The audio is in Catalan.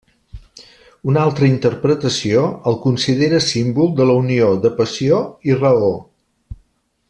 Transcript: Una altra interpretació el considera símbol de la unió de passió i raó.